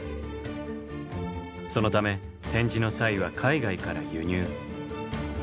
そのため展示の際は海外から輸入。